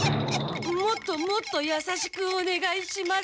もっともっと優しくお願いします。